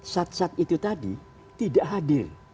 sat sat itu tadi tidak hadir